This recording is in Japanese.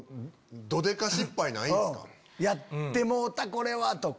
やってもうたこれは！とか。